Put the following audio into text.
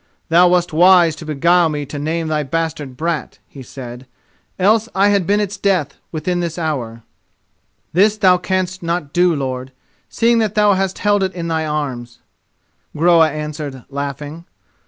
"Thou wast wise to beguile me to name thy bastard brat," he said; "else had I been its death within this hour." "This thou canst not do, lord, seeing that thou hast held it in thy arms," Groa answered, laughing.